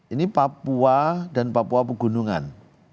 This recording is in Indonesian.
ini papua dan papua pegunungan